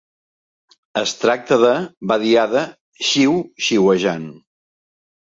"Es tracta de..." va dir Ada xiuxiuejant.